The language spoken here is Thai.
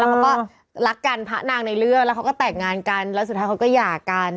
เขาก็รักกันพระนางในเรื่องแล้วเขาก็แต่งงานกันแล้วสุดท้ายเขาก็หย่ากัน